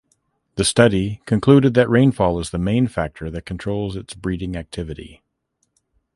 The study concluded that rainfall is the main factor that controls its breeding activity.